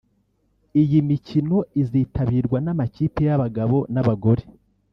Iyi mikino izitabirwa n’amakipe y’abagabo n’abagore